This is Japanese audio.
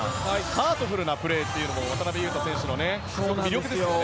ハードフルなプレーが渡邊雄太選手の魅力ですよね。